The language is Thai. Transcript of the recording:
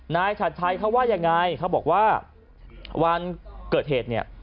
ฉัดชัยเขาว่ายังไงเขาบอกว่าวันเกิดเหตุเนี่ย